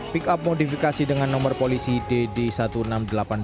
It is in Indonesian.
pick up modifikasi dengan nomor polisi dd seribu enam ratus delapan puluh